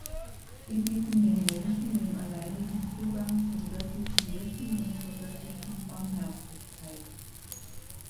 Sie bieten den Menschen den alleinigen Zugang zum göttlichen Wissen und zur göttlichen Barmherzigkeit.